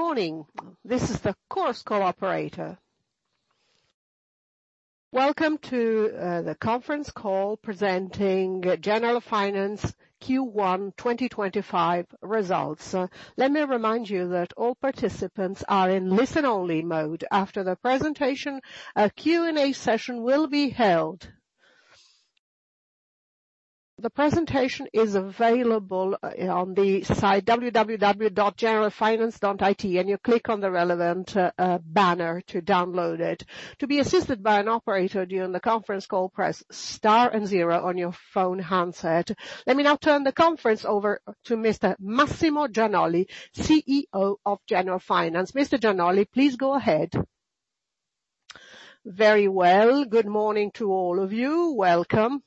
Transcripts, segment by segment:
Good morning. This is the Chorus Call operator. Welcome to the conference call presenting Generalfinance Q1 2025 results. Let me remind you that all participants are in listen-only mode. After the presentation, a Q&A session will be held. The presentation is available on the site www.generalfinance.it, and you click on the relevant banner to download it. To be assisted by an operator during the conference call, press star and zero on your phone handset. Let me now turn the conference over to Mr. Massimo Gianolli, CEO of Generalfinance. Mr. Gianolli, please go ahead. Very well. Good morning to all of you. Welcome.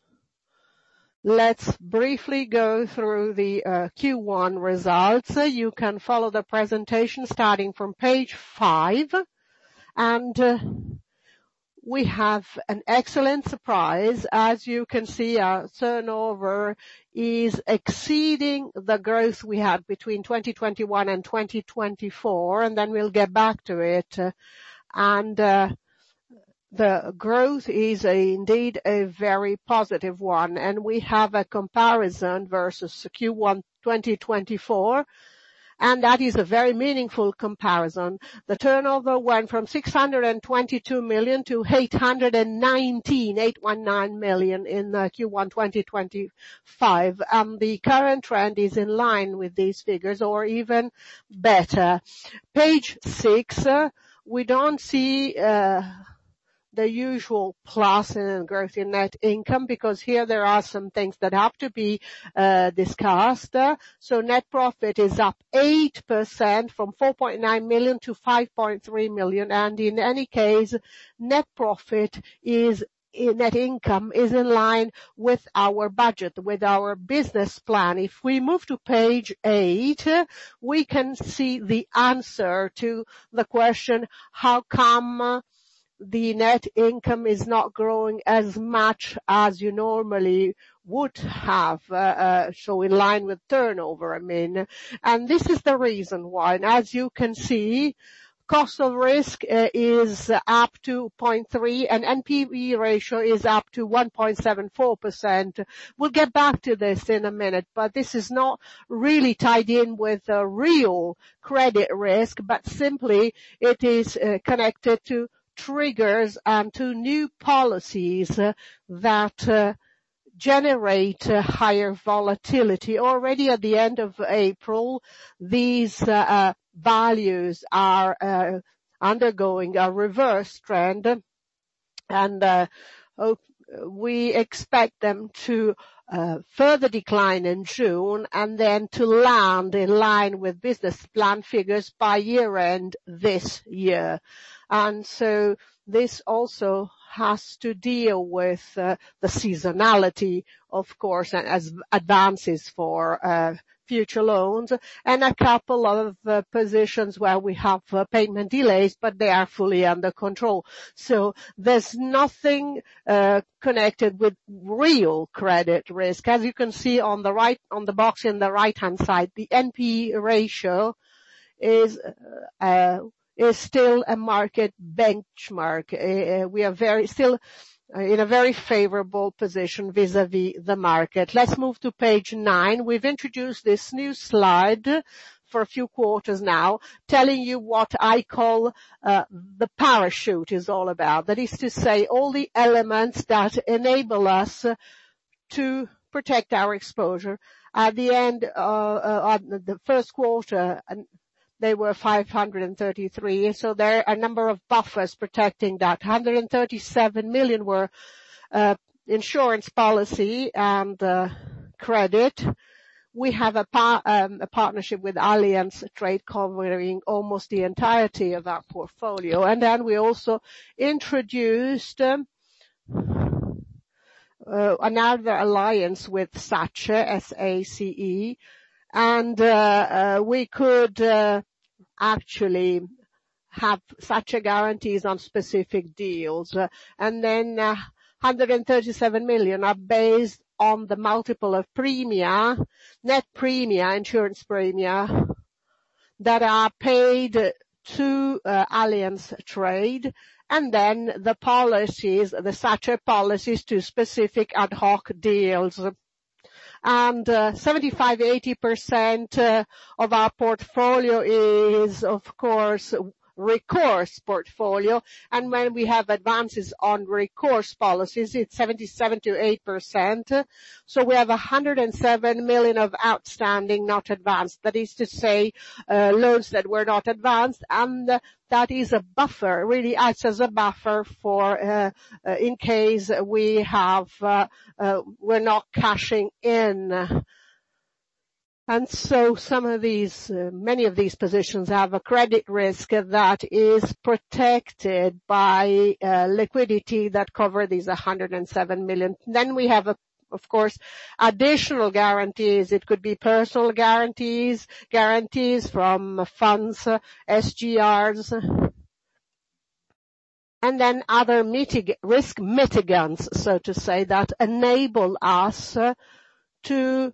Let's briefly go through the Q1 results. You can follow the presentation starting from page five. We have an excellent surprise. As you can see, our turnover is exceeding the growth we had between 2021 and 2024, and then we'll get back to it. The growth is indeed a very positive one, and we have a comparison versus Q1 2024, and that is a very meaningful comparison. The turnover went from 622 million-819 million in Q1 2025. The current trend is in line with these figures or even better. Page six. We don't see the usual plus in growth in net income because here there are some things that have to be discussed. Net profit is up 8%, from 4.9 million-5.3 million. In any case, net income is in line with our budget, with our business plan. If we move to page eight, we can see the answer to the question, how come the net income is not growing as much as you normally would have, so in line with turnover, I mean. This is the reason why. As you can see, cost of risk is up 2.3% and NPE ratio is up to 1.74%. We'll get back to this in a minute, but this is not really tied in with a real credit risk, but simply it is connected to triggers and to new policies that generate higher volatility. Already at the end of April, these values are undergoing a reverse trend, and we expect them to further decline in June and then to land in line with business plan figures by year-end this year. This also has to deal with the seasonality, of course, as advances for future loans and a couple of positions where we have payment delays, but they are fully under control. There's nothing connected with real credit risk. As you can see on the box in the right-hand side, the NPE ratio is still a market benchmark. We are still in a very favorable position vis-à-vis the market. Let's move to page nine. We've introduced this new slide for a few quarters now, telling you what I call the parachute is all about. That is to say all the elements that enable us to protect our exposure. At the end of the first quarter, they were 533 million, so there are a number of buffers protecting that. 137 million were insurance policy and credit. We have a partnership with Allianz Trade covering almost the entirety of that portfolio. We also introduced another alliance with SACE, and we could actually have SACE guarantees on specific deals. 137 million are based on the multiple of net premia, insurance premia, that are paid to Allianz Trade, and then the SACE policies to specific ad hoc deals. 75%-80% of our portfolio is, of course, recourse portfolio. When we have advances on recourse policies, it's 77%-8%. We have 107 million of outstanding not advanced. That is to say, loans that were not advanced, and that is a buffer. It really acts as a buffer for in case we're not cashing in. Many of these positions have a credit risk that is protected by liquidity that cover these 107 million. We have, of course, additional guarantees. It could be personal guarantees from funds, SGRs, and then other risk mitigants, so to say, that enable us to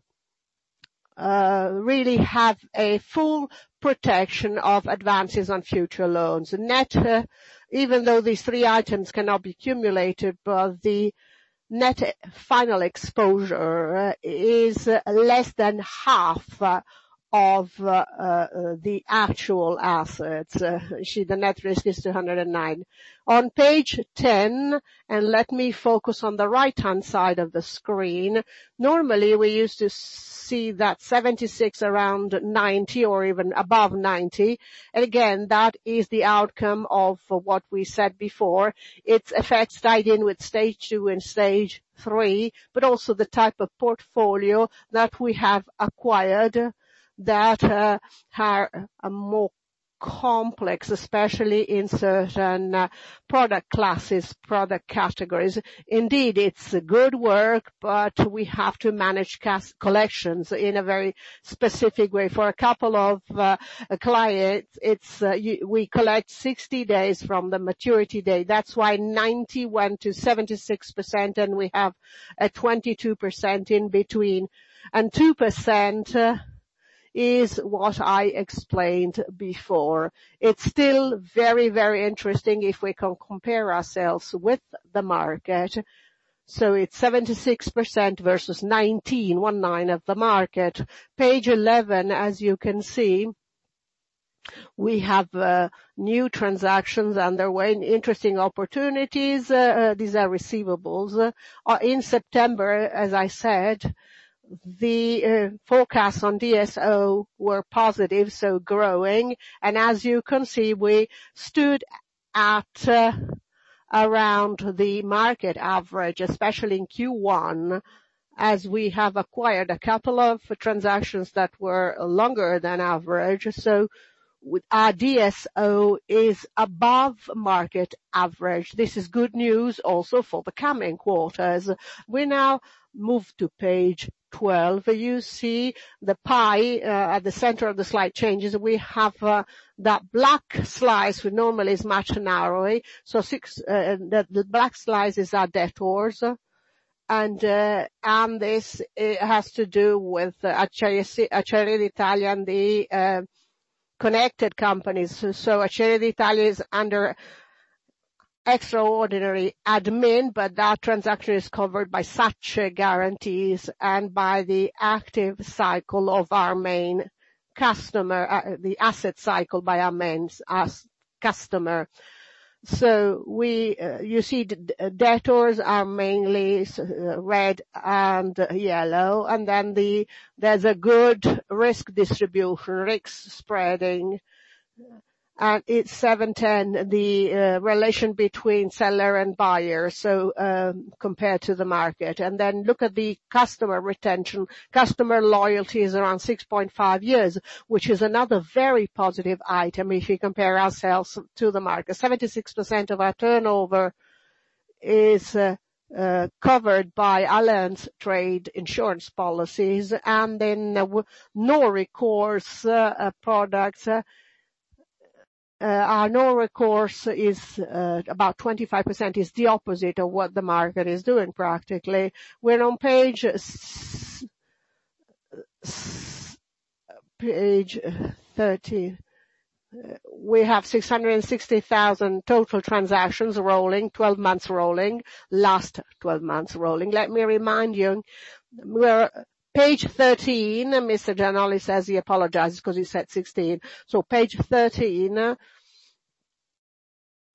really have a full protection of advances on future loans. Net, even though these three items cannot be cumulative, but the net final exposure is less than half of the actual assets. The net risk is 209. On page 10, let me focus on the right-hand side of the screen. Normally, we used to see that 76% around 90% or even above 90%. Again, that is the outcome of what we said before. Its effects tied in with Stage 2 and Stage 3, but also the type of portfolio that we have acquired that are more complex, especially in certain product classes, product categories. Indeed, it's good work, but we have to manage collections in a very specific way. For a couple of clients, we collect 60 days from the maturity day. That's why 91%-76%, and we have a 22% in between. 2% is what I explained before. It's still very interesting if we can compare ourselves with the market. It's 76% versus 19%, of the market. Page 11, as you can see, we have new transactions underway and interesting opportunities. These are receivables. In September, as I said, the forecasts on DSO were positive, so growing. As you can see, we stood at around the market average, especially in Q1, as we have acquired a couple of transactions that were longer than average. Our DSO is above market average. This is good news also for the coming quarters. We now move to Page 12. You see the pie at the center of the slide changes. We have that black slice normally is much narrow. The black slice is our debtors, and this has to do with Acciaierie d'Italia and the connected companies. Acciaierie d'Italia is under extraordinary admin, but that transaction is covered by such guarantees and by the active cycle of our main customer, the asset cycle by our main customer. You see debtors are mainly red and yellow. There's a good risk distribution, risk spreading. It's 710, the relation between seller and buyer compared to the market. Look at the customer retention. Customer loyalty is around 6.5 years, which is another very positive item if you compare ourselves to the market. 76% of our turnover is covered by Allianz Trade insurance policies. No-recourse products. Our no-recourse is about 25%, is the opposite of what the market is doing, practically. We're on page 13. We have 660,000 total transactions rolling, 12 months rolling, last 12 months rolling. Let me remind you, page 13, Mr. Gianolli says he apologizes because he said 16. Page 13.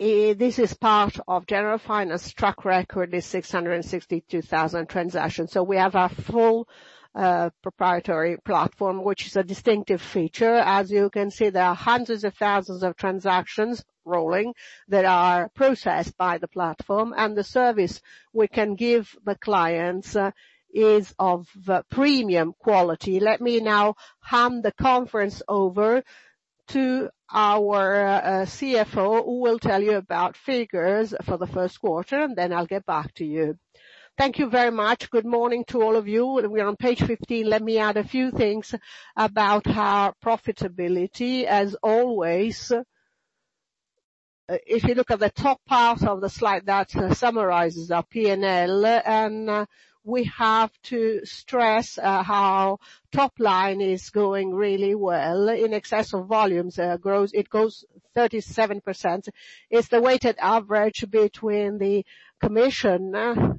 This is part of Generalfinance track record is 662,000 transactions. We have a full proprietary platform, which is a distinctive feature. As you can see, there are hundreds of thousands of transactions rolling that are processed by the platform, and the service we can give the clients is of premium quality. Let me now hand the conference over to our CFO, who will tell you about figures for the first quarter, and then I'll get back to you. Thank you very much. Good morning to all of you. We're on page 15. Let me add a few things about our profitability, as always. If you look at the top part of the slide, that summarizes our P&L, and we have to stress how top line is going really well. In excess of volumes, it goes 37%. It's the weighted average between the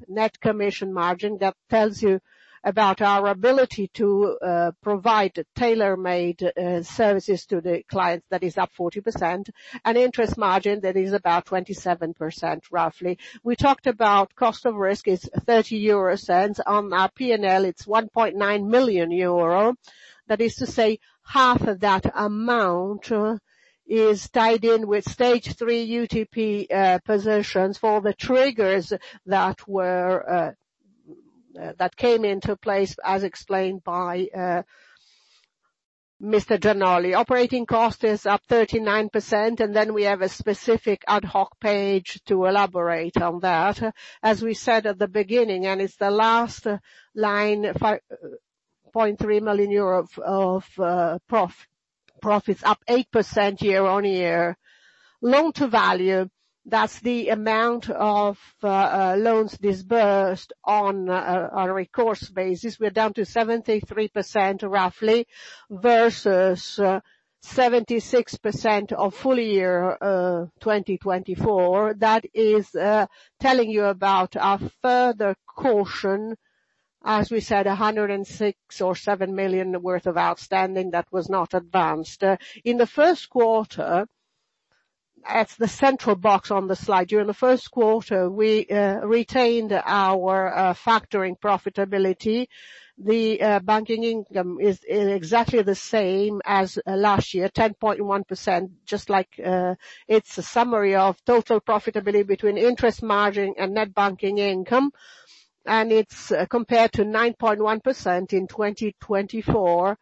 net commission margin that tells you about our ability to provide tailor-made services to the clients, that is up 40%, and interest margin, that is about 27%, roughly. We talked about cost of risk is 0.30. On our P&L, it is 1.9 million euro. That is to say, half of that amount is tied in with Stage 3 UTP positions for the triggers that came into place as explained by Mr. Gianolli. Operating cost is up 39%, and then we have a specific ad hoc page to elaborate on that. As we said at the beginning, and it is the last line, 0.3 million euro of profit, profits up 8% year-on-year. Loan-to-Value, that is the amount of loans dispersed on a recourse basis. We are down to 73% roughly, versus 76% of full-year 2024. That is telling you about our further caution, as we said, 106 million or 107 million worth of outstanding that was not advanced. In the first quarter, at the central box on the slide, during the first quarter, we retained our factoring profitability. The banking income is exactly the same as last year, 10.1%, just like it's a summary of total profitability between interest margin and net banking income. It's compared to 9.1% in 2024,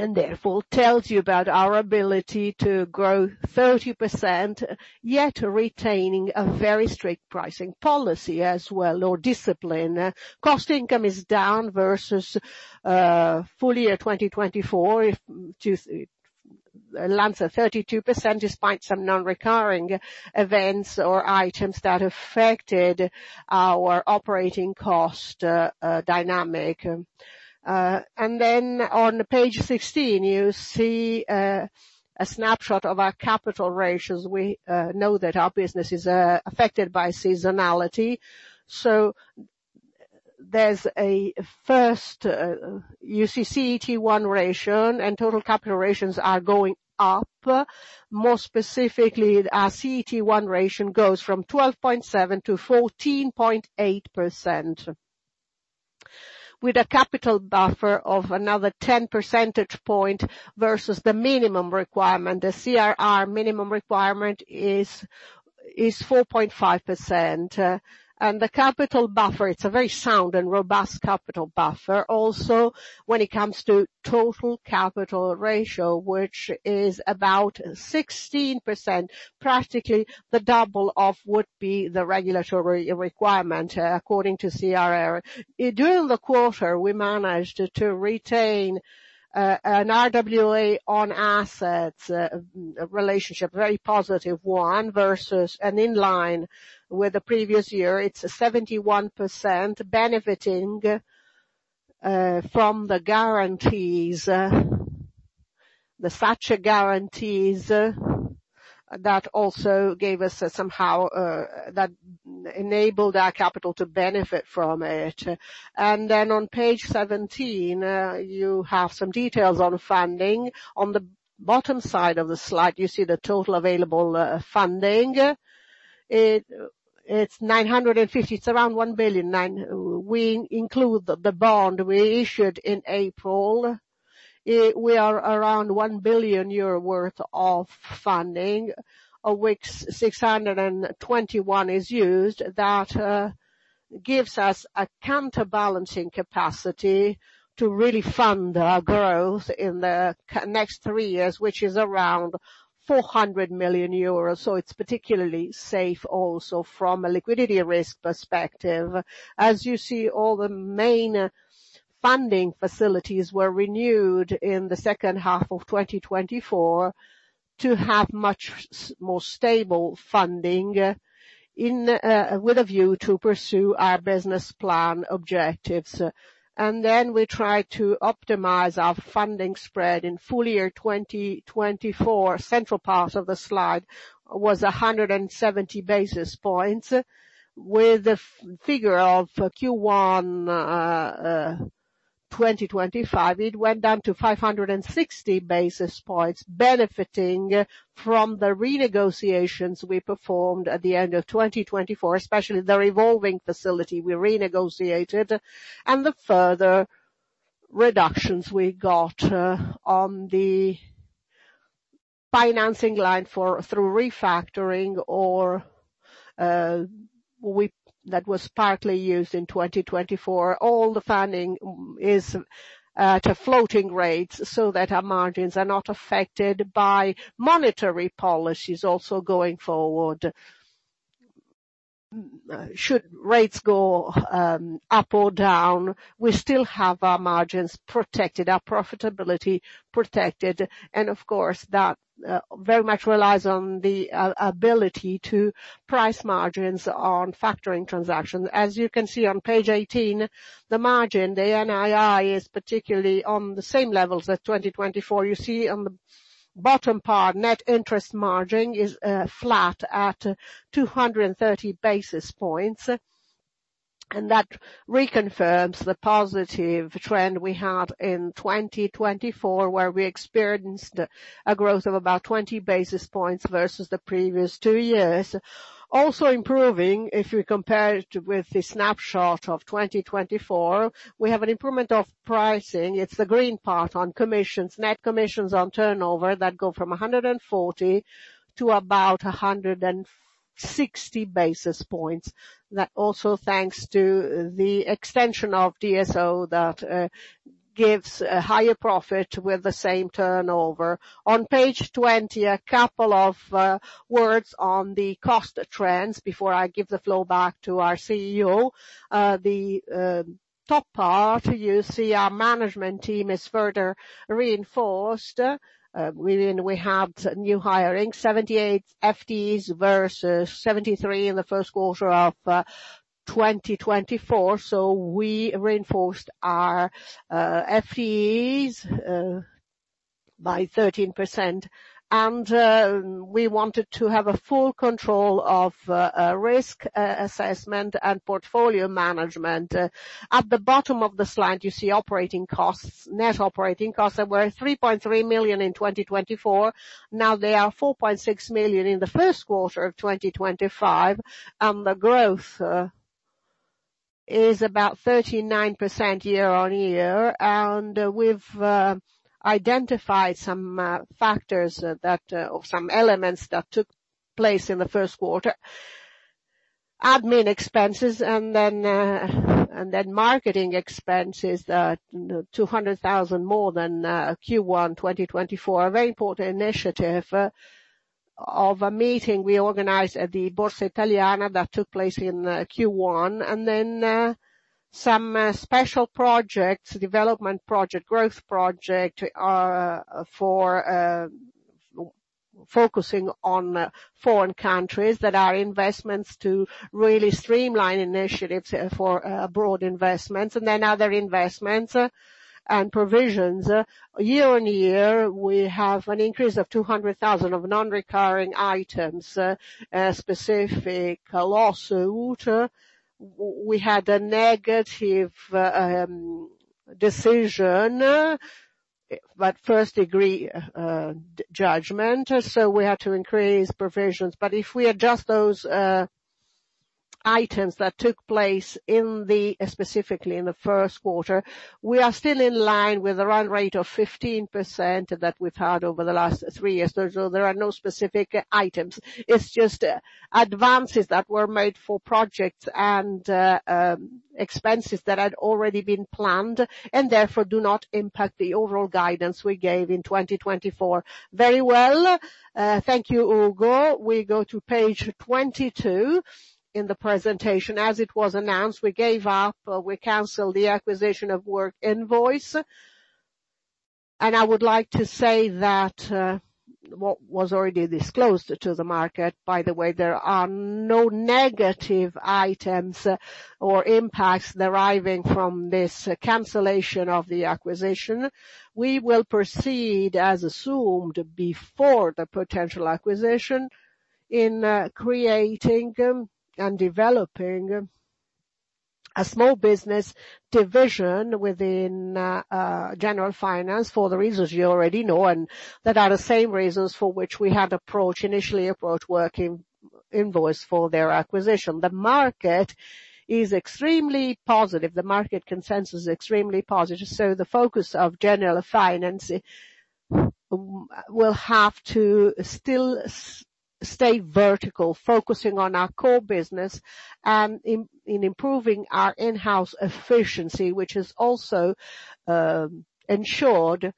and therefore tells you about our ability to grow 30%, yet retaining a very strict pricing policy as well, or discipline. Cost income is down versus full year 2024, lands at 32%, despite some non-recurring events or items that affected our operating cost dynamic. On page 16, you see a snapshot of our capital ratios. We know that our business is affected by seasonality. There's a first, you see CET1 ratio and total capital ratios are going up. More specifically, our CET1 ratio goes from 12.7%-14.8%, with a capital buffer of another 10 percentage points versus the minimum requirement. The CRR minimum requirement is 4.5%. The capital buffer, it's a very sound and robust capital buffer. Also, when it comes to Total Capital Ratio, which is about 16%, practically the double of would be the regulatory requirement according to CRR. During the quarter, we managed to retain an RWA on assets relationship, very positive one, versus and in line with the previous year. It's 71% benefiting from the guarantees, the SACE guarantees, that enabled our capital to benefit from it. On page 17, you have some details on funding. On the bottom side of the slide, you see the total available funding. It's 950, it's around 1 billion. We include the bond we issued in April. We are around 1 billion euro worth of funding, of which 621 million is used. That gives us a counterbalancing capacity to really fund our growth in the next three years, which is around 400 million euros. It's particularly safe also from a liquidity risk perspective. As you see, all the main funding facilities were renewed in the second half of 2024 to have much more stable funding with a view to pursue our business plan objectives. We try to optimize our funding spread in full year 2024. Central part of the slide was 170 basis points. With the figure of Q1 2025, it went down to 560 basis points benefiting from the renegotiations we performed at the end of 2024, especially the revolving facility we renegotiated, and the further reductions we got on the financing line through refactoring, or that was partly used in 2024. All the funding is at a floating rate so that our margins are not affected by monetary policies also going forward. Should rates go up or down, we still have our margins protected, our profitability protected, and of course, that very much relies on the ability to price margins on factoring transactions. As you can see on page 18, the margin, the NII, is particularly on the same levels as 2024. You see on the bottom part, Net Interest Margin is flat at 230 basis points, and that reconfirms the positive trend we had in 2024 where we experienced a growth of about 20 basis points versus the previous two years. Also improving, if you compare it with the snapshot of 2024, we have an improvement of pricing. It's the green part on commissions, net commissions on turnover that go from 140 to about 160 basis points. That also thanks to the extension of DSO that gives a higher profit with the same turnover. On page 20, a couple of words on the cost trends before I give the floor back to our CEO. The top part, you see our management team is further reinforced. We had new hiring, 78 FTEs versus 73 FTEs in the first quarter of 2024. We reinforced our FTEs by 13%, and we wanted to have a full control of risk assessment and portfolio management. At the bottom of the slide, you see operating costs, net operating costs that were 3.3 million in 2024. Now they are 4.6 million in the first quarter of 2025, and the growth is about 39% year-on-year. We've identified some factors or some elements that took place in the first quarter. Admin expenses and then marketing expenses are 200,000 more than Q1 2024. A very important initiative of a meeting we organized at the Borsa Italiana that took place in Q1. Some special projects, development project, growth project, for focusing on foreign countries that are investments to really streamline initiatives for broad investments. Other investments and provisions. Year-on-year, we have an increase of 200,000 of non-recurring items. A specific lawsuit, we had a negative decision, but first-degree judgment, so we had to increase provisions. If we adjust those items that took place specifically in the first quarter, we are still in line with the run rate of 15% that we've had over the last three years. There are no specific items. It's just advances that were made for projects and expenses that had already been planned, and therefore do not impact the overall guidance we gave in 2024. Very well. Thank you, Ugo. We go to page 22 in the presentation. As it was announced, we canceled the acquisition of Workinvoice. I would like to say that what was already disclosed to the market, by the way, there are no negative items or impacts deriving from this cancellation of the acquisition. We will proceed as assumed before the potential acquisition in creating and developing a small business division within Generalfinance for the reasons you already know, and that are the same reasons for which we had initially approached Workinvoice for their acquisition. The market is extremely positive. The market consensus is extremely positive, so the focus of Generalfinance will have to still stay vertical, focusing on our core business and in improving our in-house efficiency, which is also ensured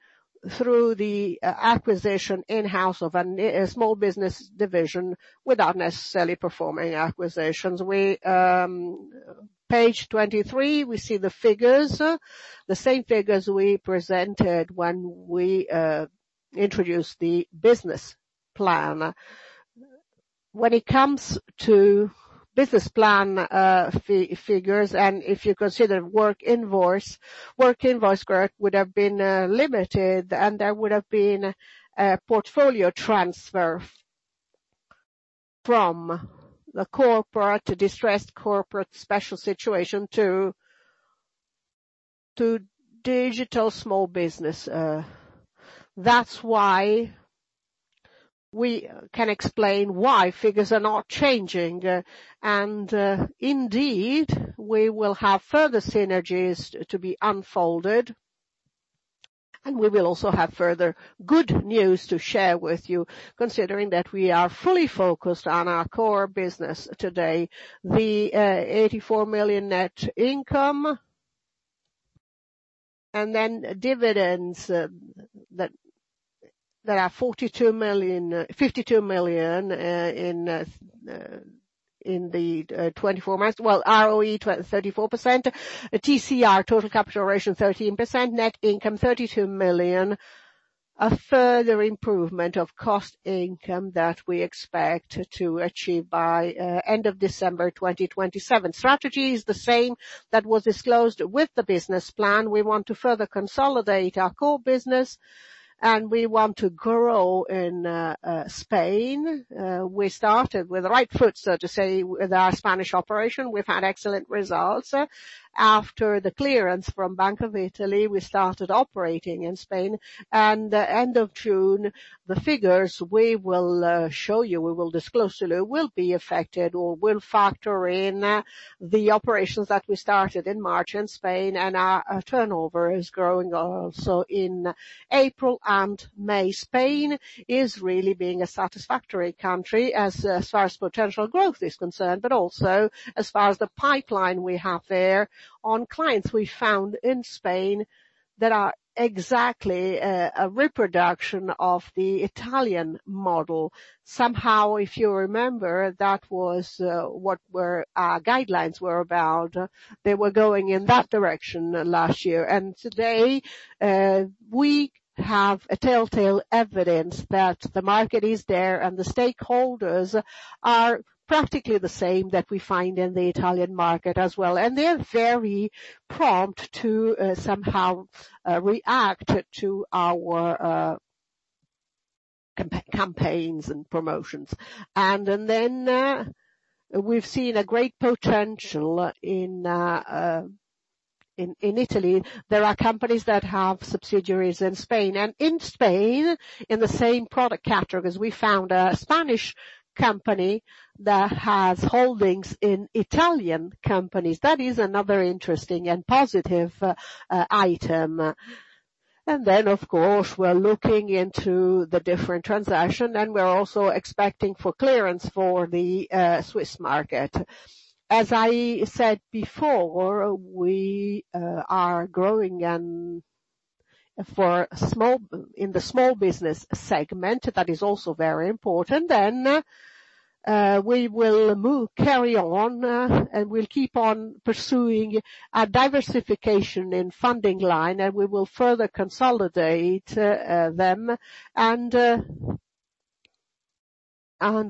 through the acquisition in-house of a small business division without necessarily performing acquisitions. Page 23, we see the figures, the same figures we presented when we introduced the business plan. When it comes to business plan figures, and if you consider Workinvoice growth would have been limited, and there would have been a portfolio transfer from the corporate distressed, corporate special situation to digital small business. That's why we can explain why figures are not changing. Indeed, we will have further synergies to be unfolded. We will also have further good news to share with you, considering that we are fully focused on our core business today. The 84 million net income, and then dividends that are 52 million in the 24 months. Well, ROE 34%, TCR, Total Capital Ratio 13%, net income 32 million. A further improvement of cost-to-income that we expect to achieve by end of December 2027. Strategy is the same that was disclosed with the business plan. We want to further consolidate our core business, and we want to grow in Spain. We started with the right foot, so to say, with our Spanish operation. We've had excellent results. After the clearance from Bank of Italy, we started operating in Spain. End of June, the figures we will show you, we will disclose to you, will be affected or will factor in the operations that we started in March in Spain. Our turnover is growing also in April and May. Spain is really being a satisfactory country as far as potential growth is concerned, but also as far as the pipeline we have there on clients we found in Spain that are exactly a reproduction of the Italian model. Somehow, if you remember, that was what our guidelines were about. They were going in that direction last year. Today, we have a telltale evidence that the market is there, and the stakeholders are practically the same that we find in the Italian market as well. They're very prompt to somehow react to our campaigns and promotions. We've seen a great potential in Italy. There are companies that have subsidiaries in Spain, and in Spain, in the same product categories, we found a Spanish company that has holdings in Italian companies. That is another interesting and positive item. Of course, we're looking into the different transaction, and we're also expecting for clearance for the Swiss market. As I said before, we are growing in the small business segment, that is also very important. We will carry on, and we'll keep on pursuing a diversification in funding line, and we will further consolidate them.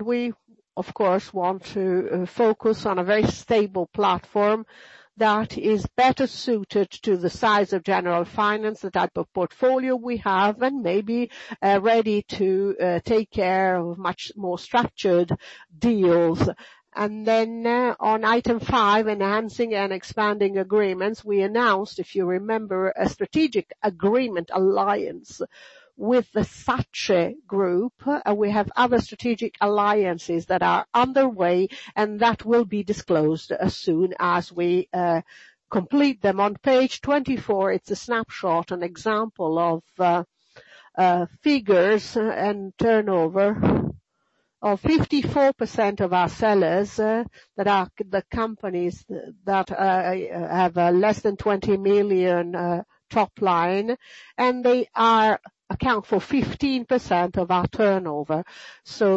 We, of course, want to focus on a very stable platform that is better suited to the size of Generalfinance, the type of portfolio we have, and may be ready to take care of much more structured deals. On item five, enhancing and expanding agreements, we announced, if you remember, a strategic agreement alliance with the SACE Group, and we have other strategic alliances that are underway and that will be disclosed as soon as we complete them. On page 24, it's a snapshot, an example of figures and turnover of 54% of our sellers that are the companies that have a less than 20 million top line, and they account for 15% of our turnover.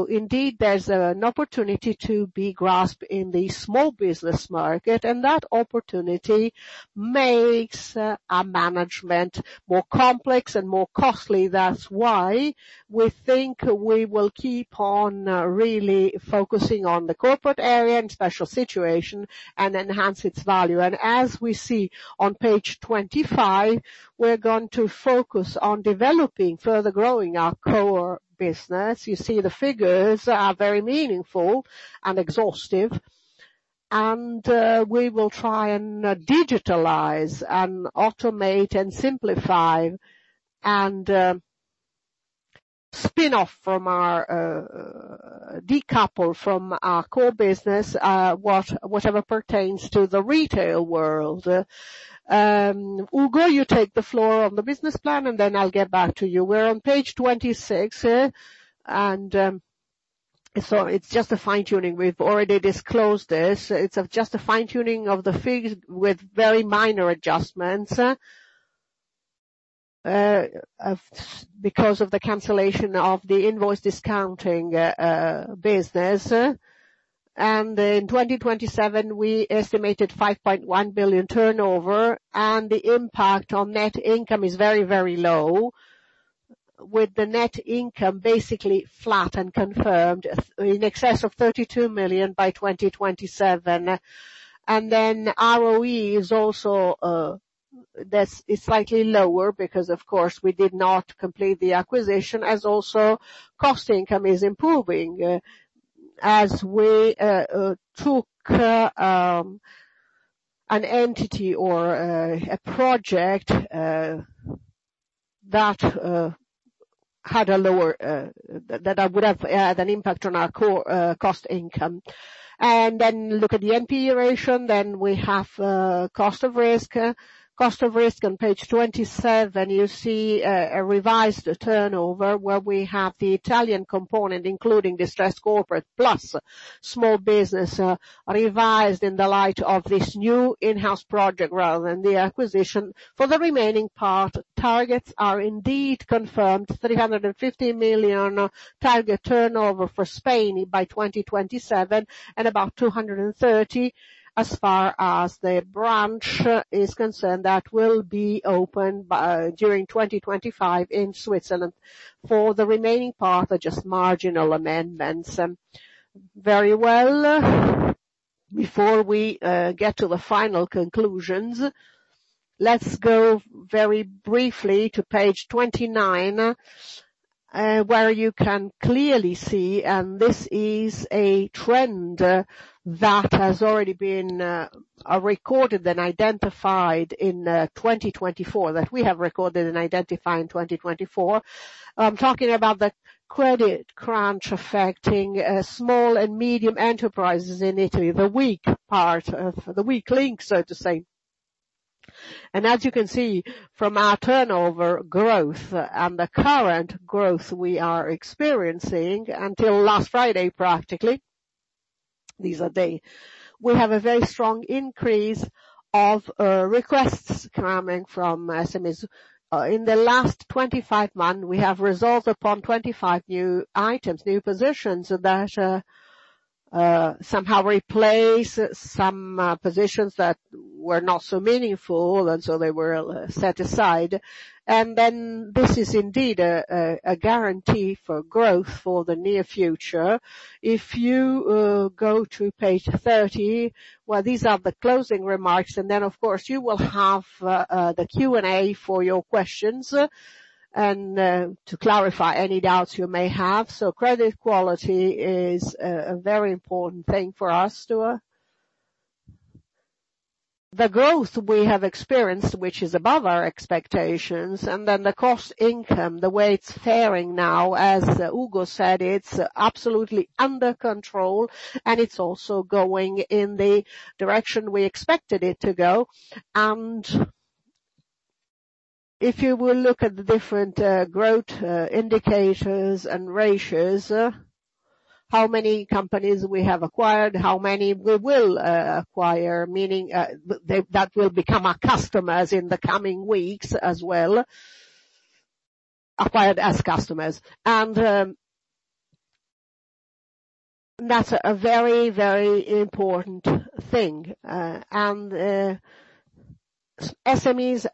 Indeed, there's an opportunity to be grasped in the small business market, and that opportunity makes our management more complex and more costly. That's why we think we will keep on really focusing on the corporate area and special situation and enhance its value. As we see on page 25, we're going to focus on developing, further growing our core business. You see the figures are very meaningful and exhaustive. We will try and digitalize and automate and simplify, and decouple from our core business, whatever pertains to the retail world. Ugo, you take the floor on the business plan, and then I'll get back to you. We're on page 26. It's just a fine-tuning. We've already disclosed this. It's just a fine-tuning of the figures with very minor adjustments, because of the cancellation of the invoice discounting business. In 2027, we estimated 5.1 billion turnover, and the impact on net income is very, very low, with the net income basically flat and confirmed in excess of 32 million by 2027. ROE is also slightly lower because, of course, we did not complete the acquisition, as also cost income is improving, as we took an entity or a project that would have had an impact on our cost income. Look at the NPE ratio, then we have cost of risk. Cost of risk on page 27, you see a revised turnover where we have the Italian component, including distressed corporate plus small business, revised in the light of this new in-house project rather than the acquisition. For the remaining part, targets are indeed confirmed, 350 million target turnover for Spain by 2027 and about 230 as far as the branch is concerned, that will be opened during 2025 in Switzerland. For the remaining part, are just marginal amendments. Very well. Before we get to the final conclusions, let's go very briefly to page 29, where you can clearly see, and this is a trend that we have recorded and identified in 2024. I'm talking about the credit crunch affecting small and medium enterprises in Italy, the weak part, the weak link, so to say. As you can see from our turnover growth and the current growth we are experiencing until last Friday, practically, we have a very strong increase of requests coming from SMEs. In the last 25 months, we have resolved upon 25 new items, new positions that somehow replace some positions that were not so meaningful, and so they were set aside. This is indeed a guarantee for growth for the near future. If you go to page 30, where these are the closing remarks, and then, of course, you will have the Q&A for your questions and to clarify any doubts you may have. Credit quality is a very important thing for us too. The growth we have experienced, which is above our expectations, and then the cost income, the way it's faring now, as Ugo said, it's absolutely under control, and it's also going in the direction we expected it to go. If you will look at the different growth indicators and ratios, how many companies we have acquired, how many we will acquire, meaning that will become our customers in the coming weeks as well, acquired as customers. That's a very important thing. SMEs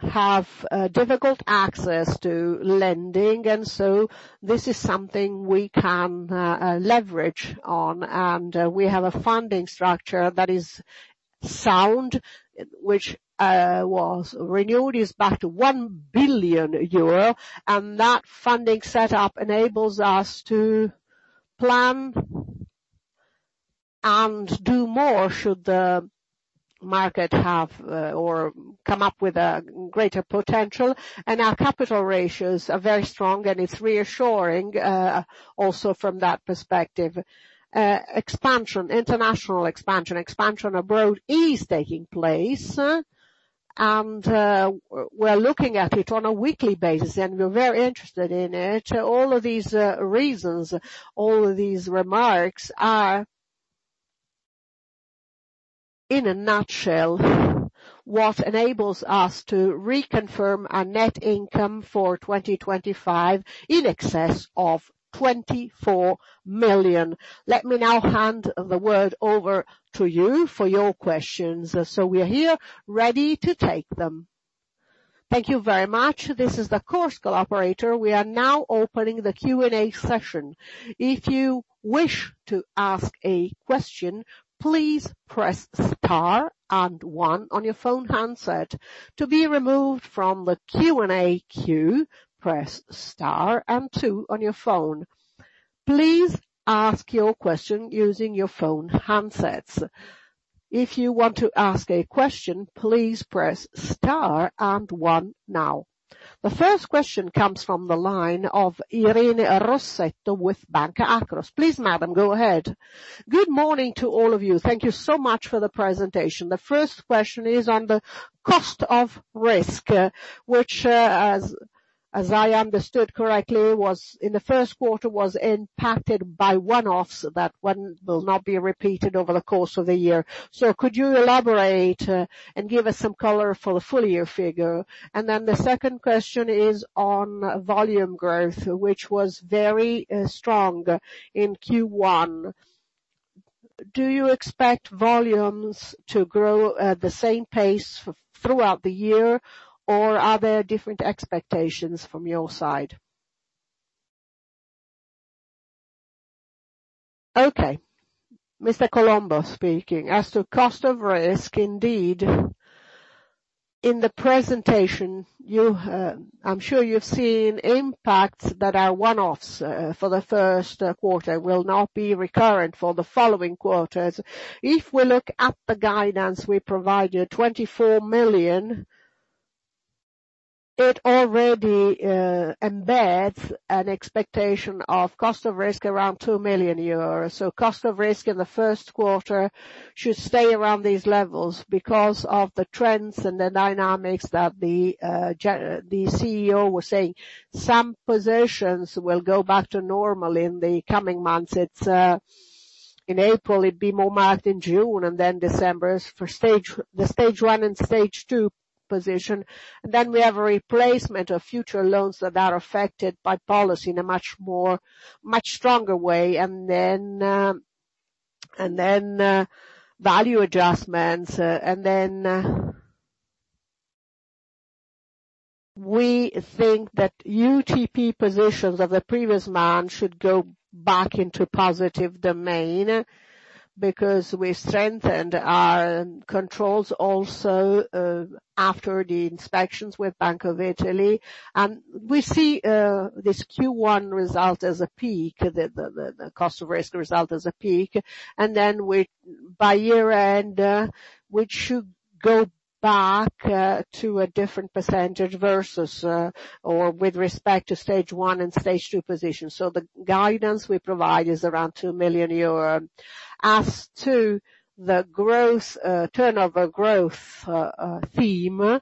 have difficult access to lending, and so this is something we can leverage on. We have a funding structure that is sound, which was renewed, is back to 1 billion euro. That funding set up enables us to plan and do more should the market have or come up with a greater potential. Our capital ratios are very strong, and it's reassuring, also from that perspective. Expansion, international expansion abroad is taking place. We're looking at it on a weekly basis, and we're very interested in it. All of these reasons, all of these remarks are, in a nutshell, what enables us to reconfirm our net income for 2025 in excess of 24 million. Let me now hand the word over to you for your questions. We are here ready to take them. Thank you very much. We are now opening the Q&A session. If you wish to ask a question please press star and one on your phone handset. To be removed from the Q&A queue press star two on your phone. Please ask your question using your phone handset. If you want to ask a question please press star and one now. The first question comes from the line of Irene Rossetto with Banca Akros. Please, madam, go ahead. Good morning to all of you. Thank you so much for the presentation. The first question is on the cost of risk, which, as I understood correctly, in the first quarter was impacted by one-offs, that one will not be repeated over the course of the year. Could you elaborate and give us some color for the full-year figure? The second question is on volume growth, which was very strong in Q1. Do you expect volumes to grow at the same pace throughout the year, or are there different expectations from your side? Okay. Mr. Colombo speaking. As to cost of risk, indeed, in the presentation, I'm sure you've seen impacts that are one-offs for the first quarter will not be recurrent for the following quarters. If we look at the guidance we provided, 24 million, it already embeds an expectation of cost of risk around 2 million euros. Cost of risk in the first quarter should stay around these levels because of the trends and the dynamics that the CEO was saying. Some positions will go back to normal in the coming months. In April, it'd be more marked in June, and then December is for the Stage 1 and Stage 2 position. We have a replacement of future loans that are affected by policy in a much stronger way, and then value adjustments. We think that UTP positions of the previous month should go back into positive domain, because we strengthened our controls also after the inspections with Bank of Italy. We see this Q1 result as a peak, the cost of risk result as a peak. By year-end, we should go back to a different percentage versus, or with respect to Stage 1 and Stage 2 position. The guidance we provide is around 2 million euro. As to the turnover growth theme,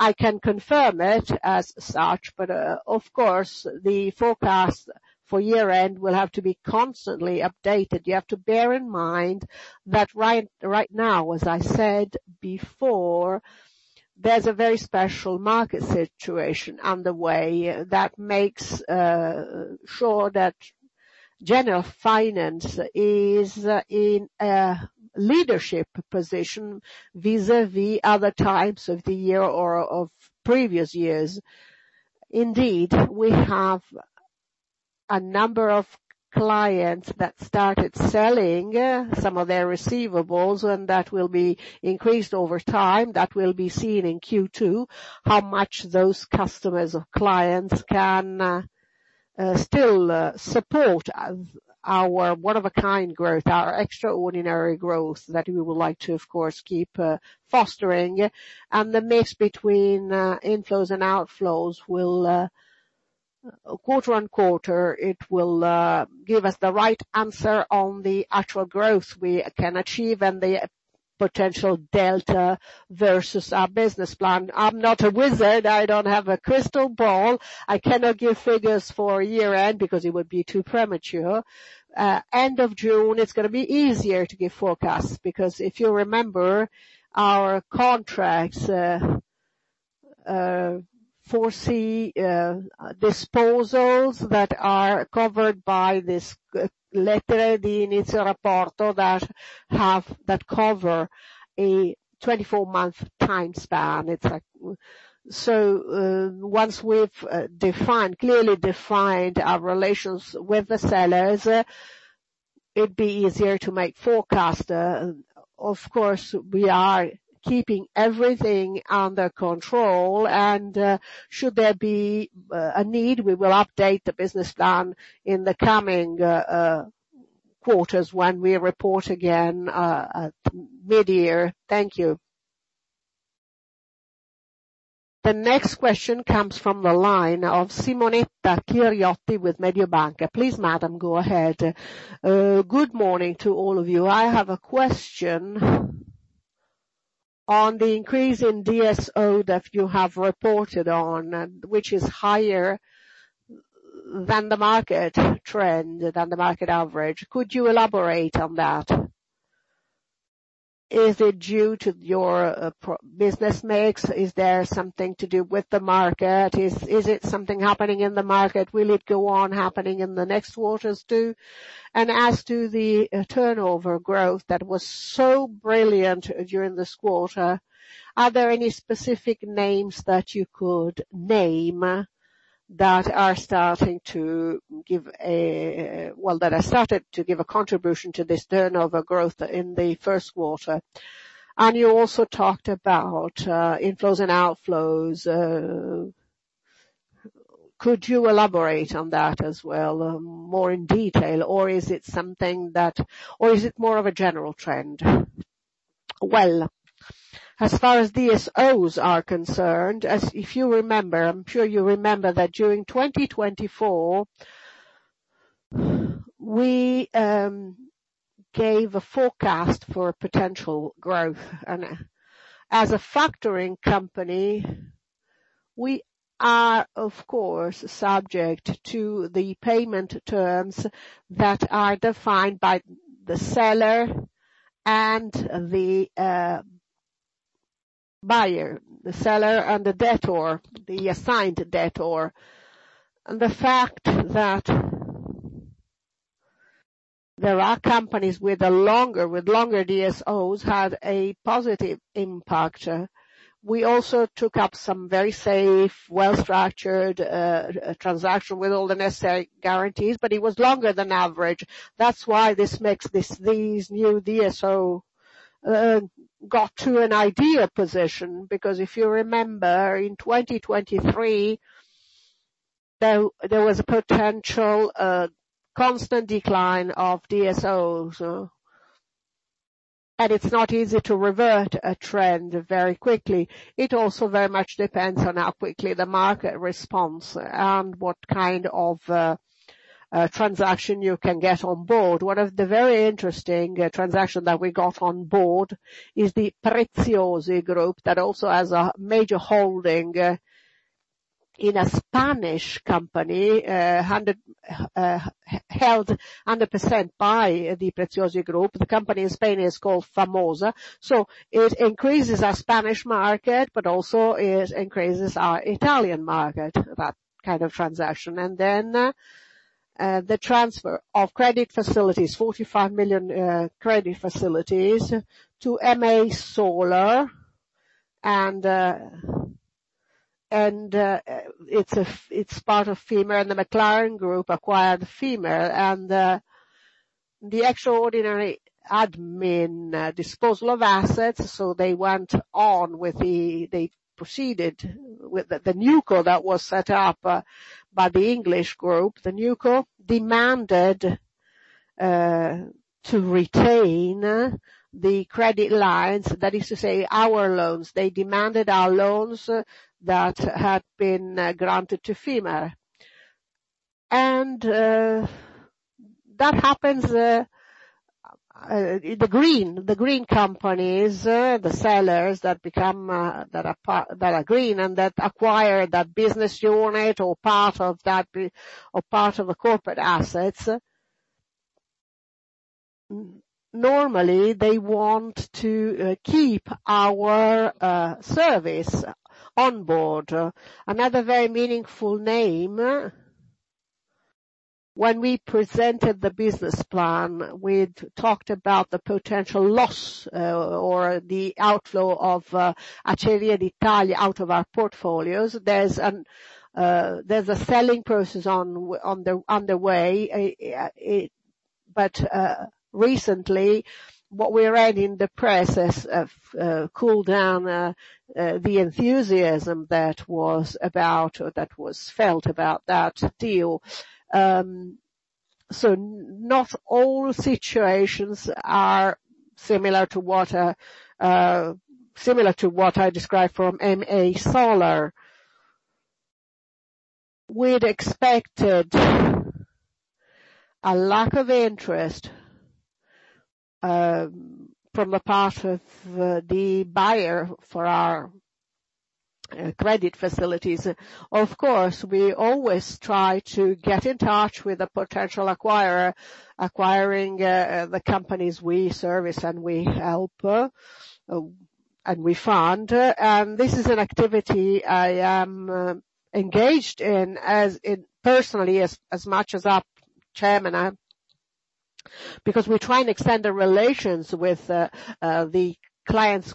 I can confirm it as such, but of course, the forecast for year-end will have to be constantly updated. You have to bear in mind that right now, as I said before, there's a very special market situation underway that makes sure that Generalfinance is in a leadership position vis-à-vis other times of the year or of previous years. Indeed, we have a number of clients that started selling some of their receivables, and that will be increased over time. That will be seen in Q2, how much those customers or clients can still support our one-of-a-kind growth, our extraordinary growth that we would like to, of course, keep fostering. The mix between inflows and outflows will, quarter-on-quarter, it will give us the right answer on the actual growth we can achieve and the potential delta versus our business plan. I'm not a wizard, I don't have a crystal ball. I cannot give figures for year-end because it would be too premature. End of June, it's going to be easier to give forecasts, because if you remember, our contracts foresee disposals that cover a 24-month time span. Once we've clearly defined our relations with the sellers, it'd be easier to make forecasts. Of course, we are keeping everything under control, and should there be a need, we will update the business plan in the coming quarters when we report again mid-year. Thank you. The next question comes from the line of Simonetta Chiriotti with Mediobanca. Please, Madam, go ahead. Good morning to all of you. I have a question on the increase in DSO that you have reported on, which is higher than the market trend, the market average. Could you elaborate on that? Is it due to your business mix? Is there something to do with the market? Is it something happening in the market? Will it go on happening in the next quarters, too? As to the turnover growth that was so brilliant during this quarter, are there any specific names that you could name, well, that has started to give a contribution to this turnover growth in the first quarter? You also talked about inflows and outflows. Could you elaborate on that as well more in detail, or is it more of a general trend? Well, as far as DSOs are concerned, if you remember, I'm sure you remember that during 2024, we gave a forecast for potential growth. As a factoring company, we are, of course, subject to the payment terms that are defined by the seller and the buyer, the seller and the debtor, the assigned debtor. The fact that there are companies with longer DSOs had a positive impact. We also took up some very safe, well-structured transaction with all the necessary guarantees, but it was longer than average. That's why this makes these new DSO got to an ideal position, because if you remember, in 2023, there was a potential constant decline of DSOs. It's not easy to revert a trend very quickly. It also very much depends on how quickly the market responds and what kind of transaction you can get on board. One of the very interesting transaction that we got on board is the Preziosi Group, that also has a major holding in a Spanish company, held 100% by the Preziosi Group. The company in Spain is called Famosa. It increases our Spanish market, but also it increases our Italian market, that kind of transaction. The transfer of credit facilities, 45 million credit facilities to MA Solar. It's part of Fimer, and the McLaren Group acquired Fimer. The extraordinary admin disposal of assets, they proceeded with the NewCo that was set up by the English group. The NewCo demanded to retain the credit lines, that is to say, our loans. They demanded our loans that had been granted to Fimer. That happens, the green companies, the sellers that are green and that acquire that business unit or part of the corporate assets. Normally, they want to keep our service on board. Another very meaningful name, when we presented the business plan, we'd talked about the potential loss or the outflow of Acciaierie d'Italia out of our portfolios. There's a selling process underway. Recently, what we read in the press has cooled down the enthusiasm that was felt about that deal. Not all situations are similar to what I described from MA Solar. We'd expected a lack of interest from the part of the buyer for our credit facilities. Of course, we always try to get in touch with a potential acquirer, acquiring the companies we service and we help, and we fund. This is an activity I am engaged in personally as much as our Chairman are. Because we're trying to extend the relations with the clients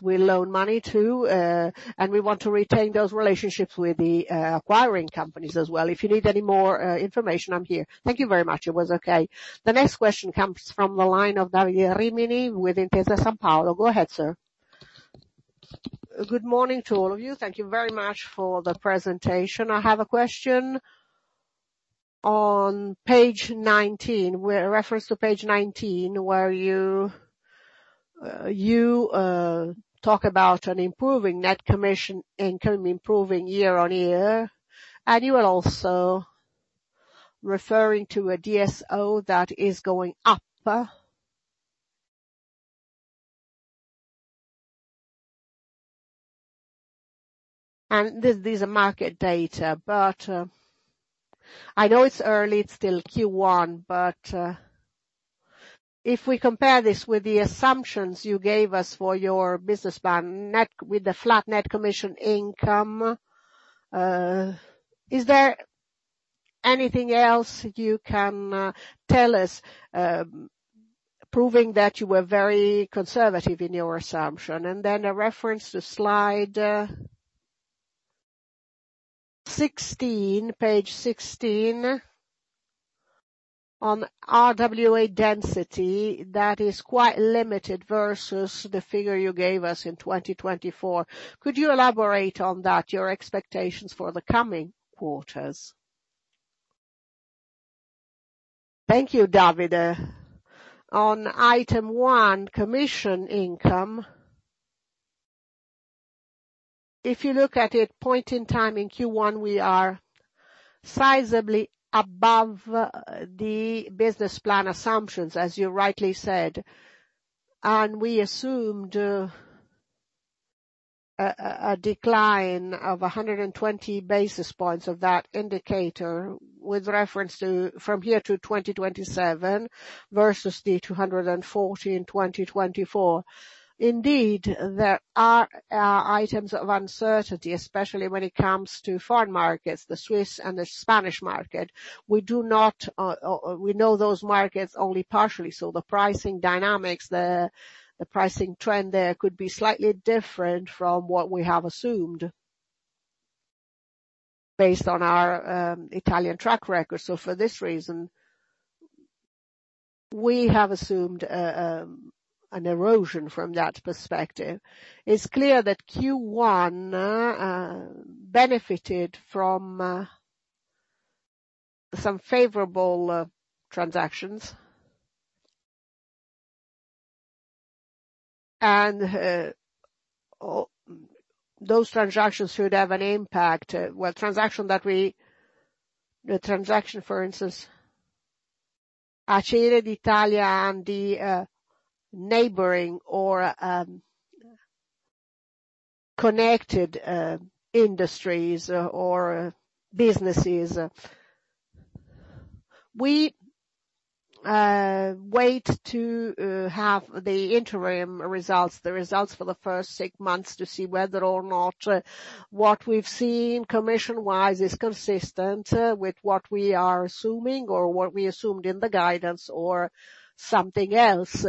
we loan money to, and we want to retain those relationships with the acquiring companies as well. If you need any more information, I'm here. Thank you very much. It was okay. The next question comes from the line of Davide Rimini with Intesa Sanpaolo. Go ahead, sir. Good morning to all of you. Thank you very much for the presentation. I have a question on page 19, where you talk about an improving net commission income, improving year-on-year, and you are also referring to a DSO that is going up. These are market data, but I know it's early, it's still Q1, but if we compare this with the assumptions you gave us for your business plan with the flat net commission income, is there anything else you can tell us, proving that you were very conservative in your assumption? A reference to slide 16, page 16, on RWA density that is quite limited versus the figure you gave us in 2024, could you elaborate on that, your expectations for the coming quarters? Thank you, Davide. On item one, commission income, if you look at it point in time in Q1, we are sizably above the business plan assumptions, as you rightly said. We assumed a decline of 120 basis points of that indicator with reference to from here to 2027 versus the 240 in 2024. Indeed, there are items of uncertainty, especially when it comes to foreign markets, the Swiss and the Spanish market. We know those markets only partially. The pricing dynamics, the pricing trend there could be slightly different from what we have assumed based on our Italian track record. For this reason, we have assumed an erosion from that perspective. It's clear that Q1 benefited from some favorable transactions, and those transactions should have an impact. The transaction, for instance, Acciaierie d'Italia and the neighboring or connected industries or businesses. We wait to have the interim results, the results for the first six months to see whether or not what we've seen commission-wise is consistent with what we are assuming or what we assumed in the guidance or something else,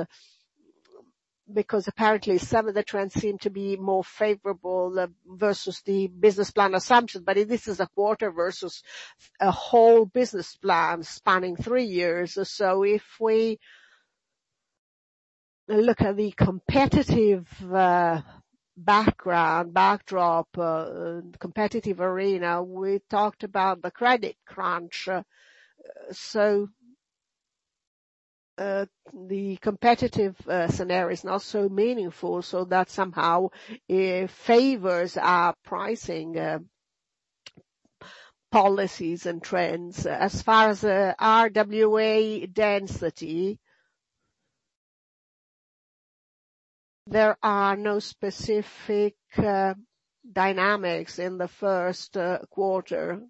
because apparently some of the trends seem to be more favorable versus the business plan assumption. This is a quarter versus a whole business plan spanning three years. If we look at the competitive background, backdrop, competitive arena, we talked about the credit crunch. The competitive scenario is not so meaningful. That somehow favors our pricing policies and trends. As far as RWA density, there are no specific dynamics in the first quarter.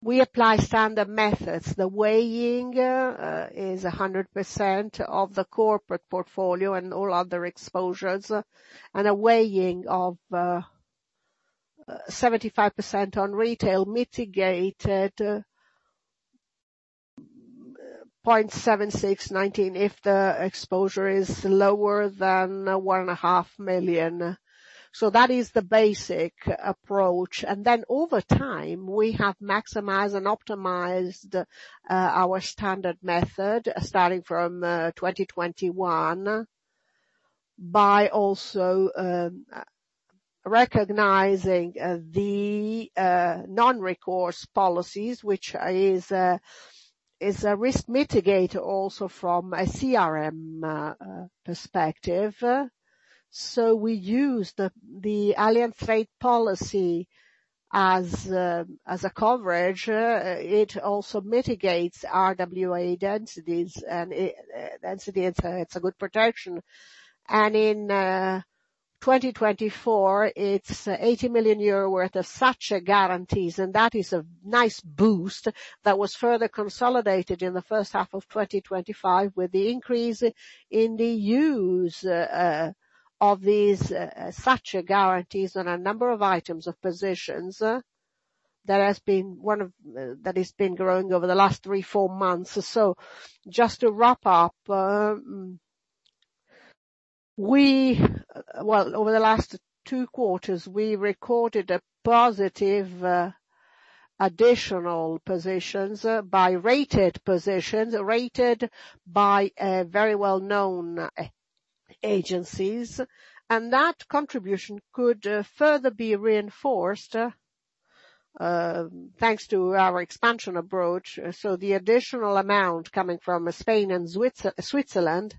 We apply standard methods. The weighing is 100% of the corporate portfolio and all other exposures, and a weighing of 75% on retail mitigated 0.7619 if the exposure is lower than 1.5 million. That is the basic approach. Over time, we have maximized and optimized our standard method, starting from 2021, by also recognizing the non-recourse policies, which is a risk mitigator also from a CRM perspective. We use the Allianz Trade policy as a coverage. It also mitigates RWA densities, and density, it's a good protection. In 2024, it's 80 million euro worth of such guarantees, and that is a nice boost that was further consolidated in the first half of 2025 with the increase in the use of these SACE guarantees on a number of items of positions. That has been growing over the last three, four months. Just to wrap up, well, over the last two quarters, we recorded a positive additional positions by rated positions, rated by very well-known agencies. That contribution could further be reinforced, thanks to our expansion approach. The additional amount coming from Spain and Switzerland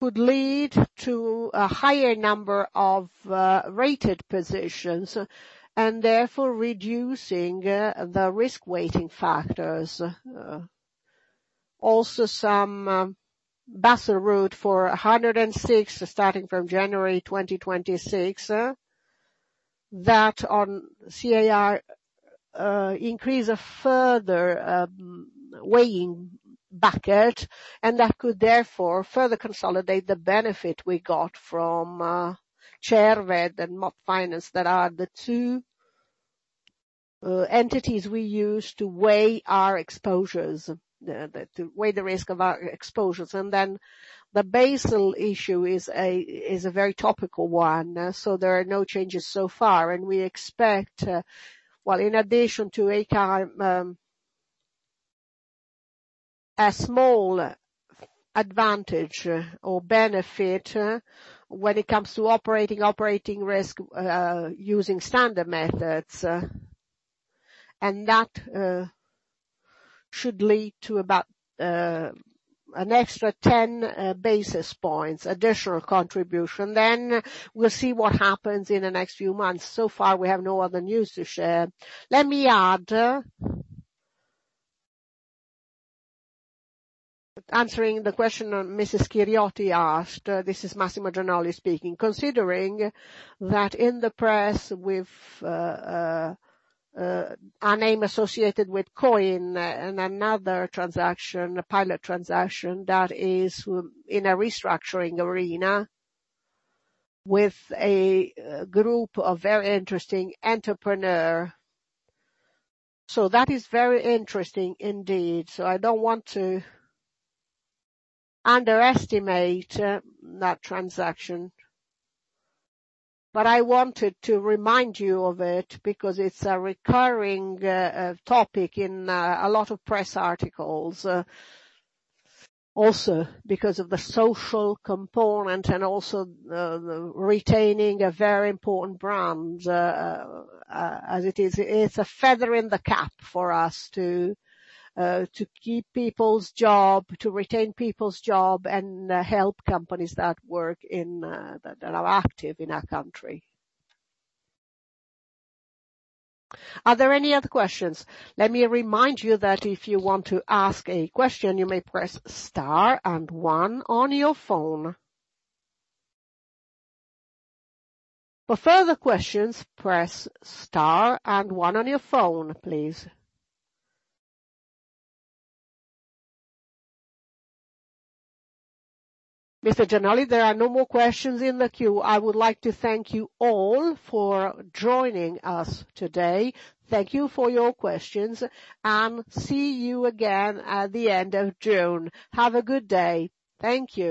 could lead to a higher number of rated positions, and therefore reducing the risk-weighting factors. Also some Basel route for 106, starting from January 2026. That on CAR increase a further weighing bucket, and that could therefore further consolidate the benefit we got from Cerved and modefinance that are the two entities we use to weigh the risk of our exposures. The Basel issue is a very topical one. There are no changes so far, and we expect, well, in addition to ACAR, a small advantage or benefit when it comes to operating risk using standard methods. That should lead to about an extra 10 basis points additional contribution. We'll see what happens in the next few months. So far, we have no other news to share. Let me add, answering the question Mrs. Chiriotti asked, this is Massimo Gianolli speaking. Considering that in the press with our name associated with Coin and another transaction, a pilot transaction that is in a restructuring arena with a group of very interesting entrepreneur. That is very interesting indeed. I don't want to underestimate that transaction, but I wanted to remind you of it because it's a recurring topic in a lot of press articles, also because of the social component and also retaining a very important brand, as it is. It's a feather in the cap for us to keep people's job, to retain people's job, and help companies that are active in our country. Are there any other questions? Let me remind you that if you want to ask a question, you may press star and one on your phone. For further questions, press star and one on your phone, please. Mr. Gianolli, there are no more questions in the queue. I would like to thank you all for joining us today. Thank you for your questions, and see you again at the end of June. Have a good day. Thank you.